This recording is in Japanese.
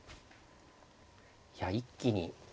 いや一気に。